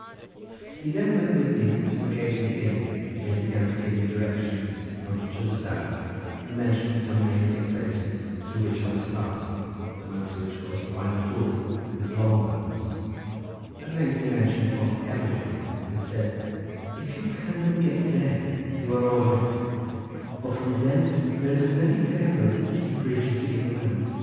He then went with me to the gate of the inn, where he began to give me directions, pointing to the south, and mentioning some names of places through which I must pass, amongst which were Waen y Bwlch and Long Bones; at length he mentioned Pont Erwyd, and said, "If you can but get there you are all right, for from thence there is a very fair road to the bridge of the evil man.